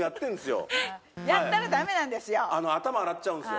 やったらダメなんですよ！